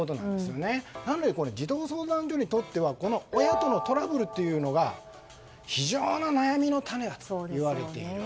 なので、児童相談所にとっては親とのトラブルというのが非常に悩みの種だといわれている。